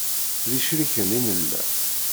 D icriken i nella.